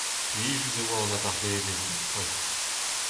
Plijus e oa an abardaevezh bepred.